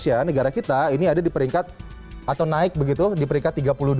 negara kita ini ada di peringkat atau naik begitu di peringkat tiga puluh dua